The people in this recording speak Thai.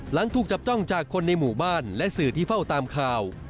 หลังถูกจับจ้องจากคนในหมู่บ้านและสื่อที่เฝ้าตามข่าว